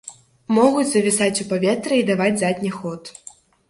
Могуць завісаць у паветры і даваць задні ход.